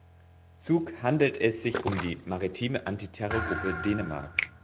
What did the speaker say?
Zug handelt es sich um die maritime Anti-Terror-Truppe Dänemarks.